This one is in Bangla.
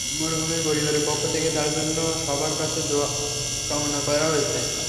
মরহুমের পরিবারের পক্ষ থেকে তাঁর জন্য সবার কাছে দোয়া কামনা করা হয়েছে।